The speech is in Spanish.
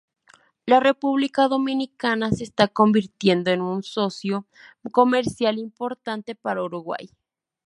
La República Dominicana se está convirtiendo en un socio comercial importante para Uruguay.